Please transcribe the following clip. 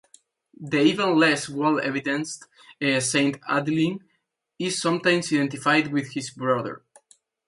The even less well evidenced Saint Aldwyn is sometimes identified with his brother.